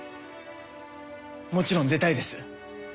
もちろん出たいです。